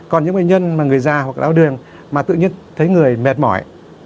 còn những bệnh nhân mà người già hoặc đau đường mà tự nhiên thấy người mệt mỏi